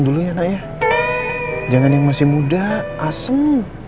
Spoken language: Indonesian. dulu ya nak ya jangan yang masih muda asem